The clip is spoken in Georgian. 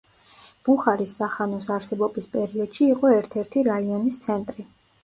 ბუხარის სახანოს არსებობის პერიოდში იყო ერთ-ერთი რაიონის ცენტრი.